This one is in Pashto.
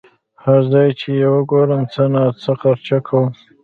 هر ځای چې یې وګورم څه ناڅه خرچه کوم.